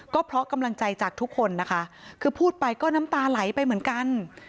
ก็เพราะกำลังใจจากทุกคนนะคะคือพูดไปก็น้ำตาไหลไปเหมือนกัน